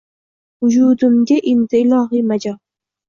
Vujudimga indi ilohiy majol.